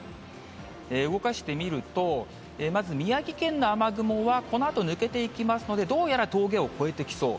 動かしてみると、まず宮城県の雨雲はこのあと抜けていきますので、どうやら峠を越えてきそう。